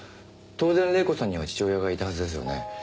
当然黎子さんには父親がいたはずですよね。